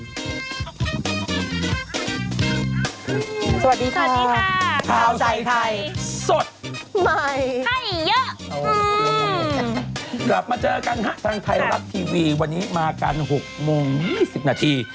ครับมากมาจากอย่างแรกเลยสักนิดหนึ่งบ๊อบดำ